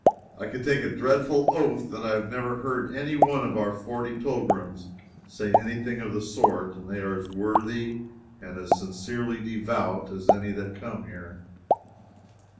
I could take a dreadful oath that I have never heard any one of our forty pilgrims say any thing of the sort, and they are as worthy and as sincerely devout as any that come here.